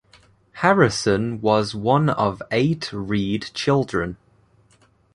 Harrison was one of eight Reed children.